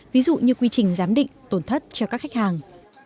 ví dụ như quy trình giám định tổn thất cho các khách hàng